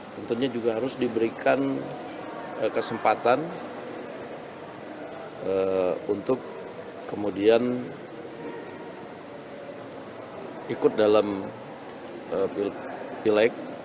tentunya juga harus diberikan kesempatan untuk kemudian ikut dalam pileg